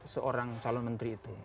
seorang calon menteri itu